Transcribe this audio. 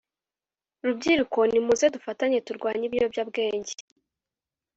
Rubyiruko nimuze dufatanye turwanye ibiyobya bwenge